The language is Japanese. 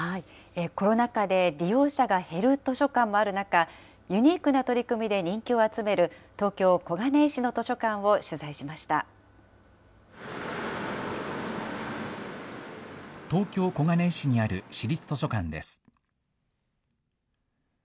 コロナ禍で利用者が減る図書館もある中、ユニークな取り組みで人気を集める東京・小金井市の図書館を取材東京・小金井市にある市立図書館です。